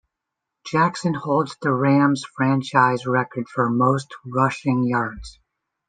Jackson holds the Rams franchise record for most rushing yards.